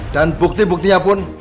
dan bukti buktinya pun